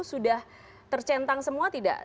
sudah tercentang semua tidak